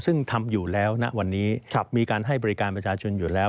ซึ่งทำอยู่แล้วณวันนี้มีการให้บริการประชาชนอยู่แล้ว